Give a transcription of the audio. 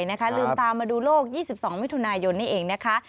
ลืมตามมาดูโลก๒๒มิถุนายนนี่เองนะคะ